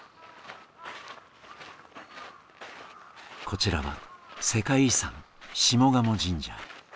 こちらは世界遺産下鴨神社。